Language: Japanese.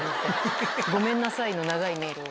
ごめんなさいの長いメールを。